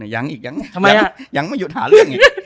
ยังไม่หยุดหาเรื่อง